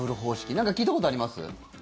なんか聞いたことあります？